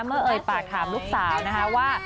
เมื่อเออยปากถามลูกสาวนะคะว่า